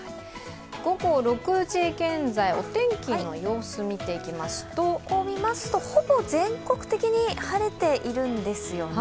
午後６時現在、お天気の様子を見ていきますとこう見ますと、ほぼ全国的に晴れているんですよね。